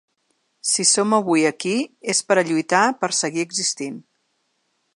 Si som avui aquí és per a lluitar per seguir existint.